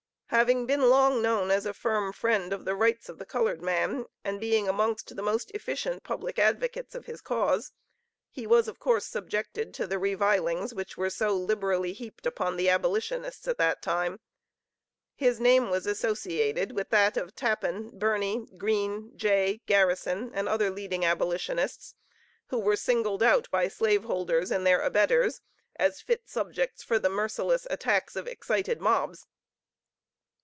Having been long known as a firm friend of the rights of the colored man, and being amongst the most efficient public advocates of his cause, he was of course subjected to the revilings which were so liberally heaped upon the Abolitionists at that time. His name was associated with that of Tappan, Birney, Green, Jay, Garrison, and other leading Abolitionists, who were singled out by slave holders and their abettors as fit subjects for the merciless attacks of excited mobs.